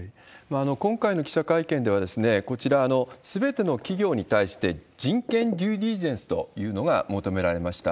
今回の記者会見では、こちら、すべての企業に対して人権デュー・ディリジェンスというのが求められました。